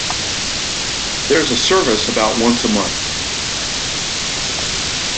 There is a service about once a month.